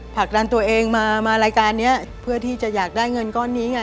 ผลักดันตัวเองมามารายการนี้เพื่อที่จะอยากได้เงินก้อนนี้ไง